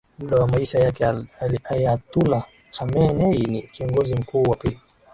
muda wa maisha yake Ayatollah Khamenei ni Kiongozi Mkuu wa pili